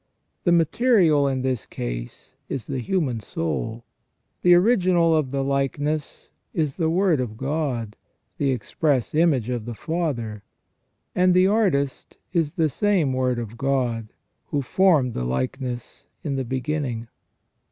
The material in this case is the human soul, the original of the like ness is the Word of God, the express image of the Father, and the artist is the same Word of God, who formed the likeness in the beginning.